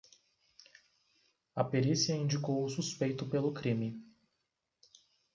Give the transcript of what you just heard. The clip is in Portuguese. A perícia indicou o suspeito pelo crime.